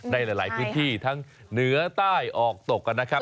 ในหลายพื้นที่ทั้งเหนือใต้ออกตกกันนะครับ